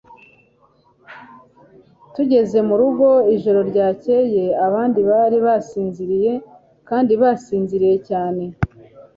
Tugeze murugo ijoro ryakeye, abandi bari basinziriye kandi basinziriye cyane.